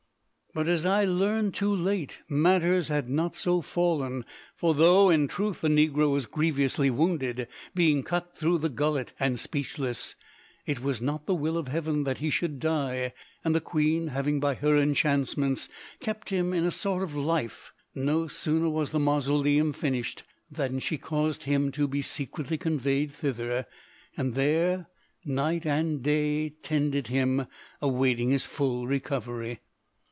"But, as I learned too late, matters had not so fallen: for though in truth the negro was grievously wounded, being cut through the gullet and speechless, it was not the will of Heaven that he should die; and the queen having by her enchantments kept him in a sort of life, no sooner was the mausoleum finished than she caused him to be secretly conveyed thither, and there night and day tended him, awaiting his full recovery.